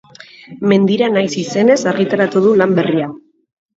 Mendira naiz izenez argitaratu du lan berria.